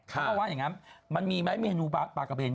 ว่าอย่างนั้นมันมีไหมเมนูปลากระเบน